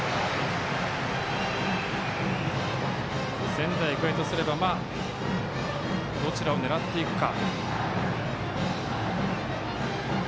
仙台育英とすればどちらを狙っていくか。